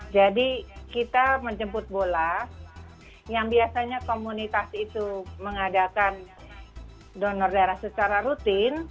jadi kita menjemput bola yang biasanya komunitas itu mengadakan donor dana secara rutin